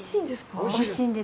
おいしいんです。